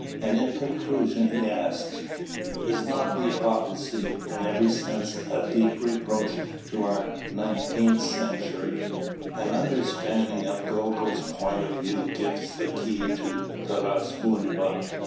And in conclusion he asks: Is not the "Odyssey" in every sense a deep reproach to our nineteenth century? (1) Everyman's Library, No. 726. An understanding of Gogol's point of view gives the key to "Taras Bulba."